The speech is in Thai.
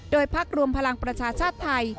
พักรวมพลังประชาชาติไทย